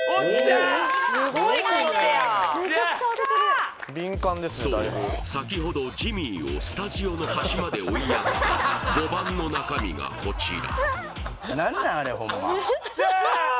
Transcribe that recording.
見事正解ですそう先ほどジミーをスタジオの端まで追いやった５番の中身がこちらうわっ！